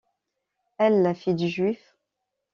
Elle! la fille du juif !